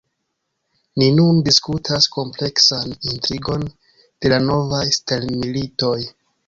Ni nun diskutas kompleksan intrigon de la novaj stelmilitoj